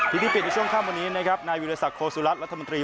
ทีมที่ปิดในช่วงข้ามวันนี้นะครับนายวิทยุศักดิ์โศรัทธ์รัฐมนตรี